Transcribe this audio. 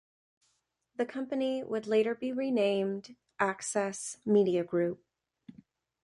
The company would later be renamed Access Media Group.